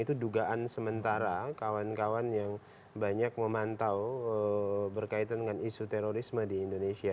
itu dugaan sementara kawan kawan yang banyak memantau berkaitan dengan isu terorisme di indonesia